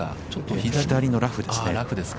◆左のラフですね。